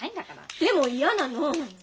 でも嫌なの。